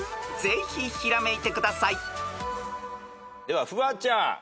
［ぜひひらめいてください］ではフワちゃん。